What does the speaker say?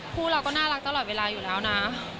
คู่เราก็น่ารักตลอดเวลาอยู่แล้วนะ